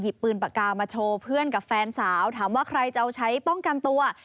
ปืนปากกามาโชว์เพื่อนกับแฟนสาวถามว่าใครจะเอาใช้ป้องกันตัว